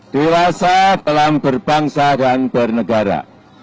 dewasa dalam berbangsa dan bernegara